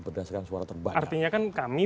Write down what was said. berdasarkan suara terbang artinya kan kami